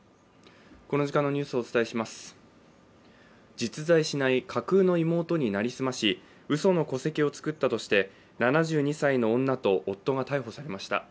実在しない架空の妹に成り済ましうその戸籍を作ったとして７２歳の女と夫が逮捕されました。